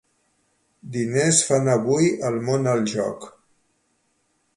Diners fan avui al món el joc.